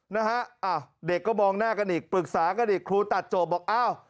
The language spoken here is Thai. นะฮะอ้าวเด็กก็มองหน้ากันอีกปรึกษากันอีกครูตัดจบบอกอ้าว